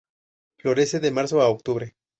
Florece de Marzo a Octubre.